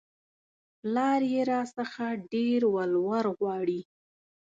پلار يې راڅخه ډېر ولور غواړي